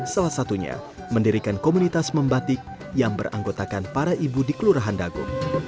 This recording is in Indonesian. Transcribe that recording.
salah satunya mendirikan komunitas membatik yang beranggotakan para ibu di kelurahan dago